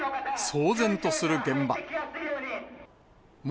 騒然とする現場。